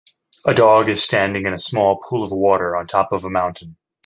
A dog is standing in a small pool of water on top of a mountain.